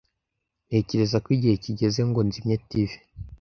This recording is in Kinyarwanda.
Ntekereza ko igihe kigeze ngo nzimye TV.